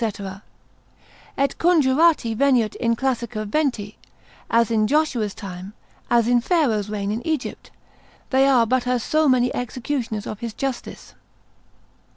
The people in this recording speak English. Et conjurati veniunt in classica venti: as in Joshua's time, as in Pharaoh's reign in Egypt; they are but as so many executioners of his justice.